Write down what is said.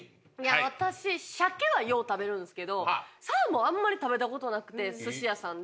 私シャケはよう食べるんですけどサーモンあんまり食べたことなくて寿司屋さんで。